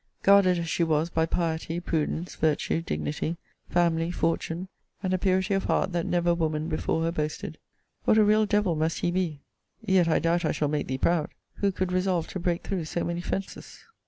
Guarded as she was by piety, prudence, virtue, dignity, family, fortune, and a purity of heart that never woman before her boasted, what a real devil must he be (yet I doubt I shall make thee proud!) who could resolve to break through so many fences!